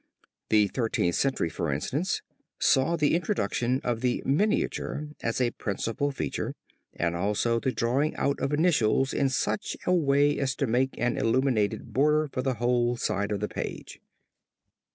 The Thirteenth Century, for instance, saw the introduction of the miniature as a principal feature and also the drawing out of initials in such a way as to make an illuminated border for the whole side of the page.